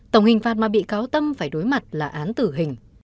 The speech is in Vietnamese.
tổng hình phạt mà bị cáo tâm phải đối mặt là án tử hình